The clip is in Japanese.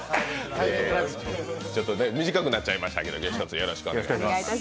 ちょっと短くなっちゃいましたけど今日はひとつよろしくお願いします。